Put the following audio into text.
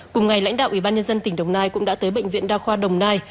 cùng ngày lãnh đạo ủy ban nhân dân tỉnh đồng nai cũng đã tới bệnh viện đa khoa đồng nai